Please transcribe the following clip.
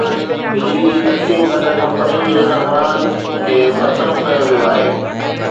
بجلي جي تقسيم ڪندڙ ڪمپنين جي سربراهن کي برطرف ڪيو ويو آهي